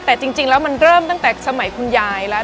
แต่จริงแล้วมันเริ่มตั้งแต่สมัยคุณยายแล้ว